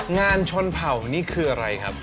งานชนเผ่านี่คืออะไรครับ